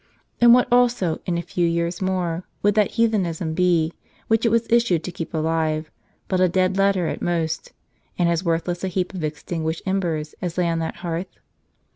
And what also, in very few years more, would that heathenism be, which it was issued to keep alive, but a dead letter at most, and as worthless a heap of extinguished embers as lay on that heai'th